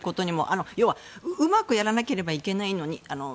要は、うまくやらなければいけないのに。